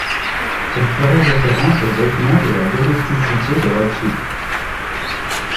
Elle ferait référence aux vêtements de la domesticité des Rothschild.